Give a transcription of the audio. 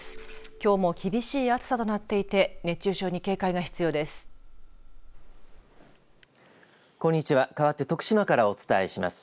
きょうも厳しい暑さとなっていて熱中症に警戒が必要です。